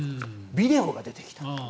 ビデオが出てきた。